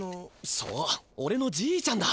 そうおれのじいちゃんだ。